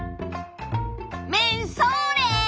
めんそれ！